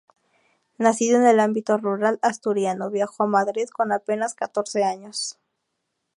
Nacido en el ámbito rural asturiano, viajó a Madrid con apenas catorce años.